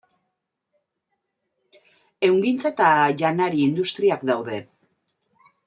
Ehungintza eta janari industriak daude.